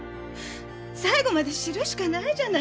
最後まで知るしかないじゃない！